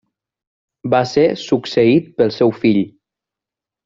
Va ser succeït pel seu fill.